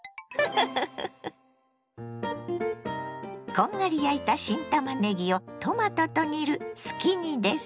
こんがり焼いた新たまねぎをトマトと煮るすき煮です。